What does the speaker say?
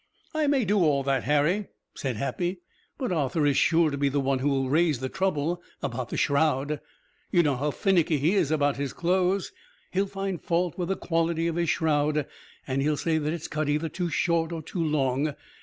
"I may do all that, Harry," said Happy, "but Arthur is sure to be the one who will raise the trouble about the shroud. You know how finicky he is about his clothes. He'll find fault with the quality of his shroud, and he'll say that it's cut either too short or too long.